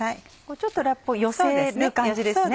ちょっとラップを寄せる感じですね。